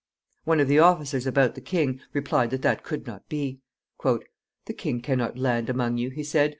One of the officers about the king replied that that could not be. "The king can not land among you," he said.